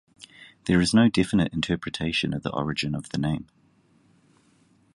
There is no definite interpretation of the origin of the name.